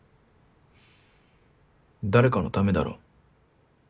誰かのためだろ